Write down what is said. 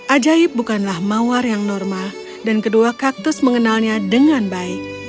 ajaib bukanlah mawar yang normal dan kedua kaktus mengenalnya dengan baik